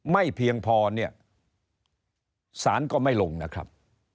ไม่เพียงพอเนี่ยสารก็ไม่ลงนะครับ